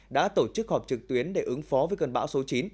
đã tổ chức họp trực tuyến để ứng phó với cơn bão số chín